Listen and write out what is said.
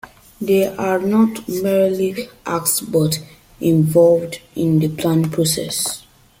They are not merely asked but actively involved in the planning process.